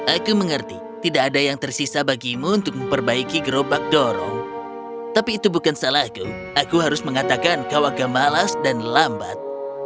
aku mengerti tidak ada yang tersisa bagimu untuk memperbaiki gerobak dorong tapi itu bukan salahku aku harus mengatakan kau agak malas dan lambat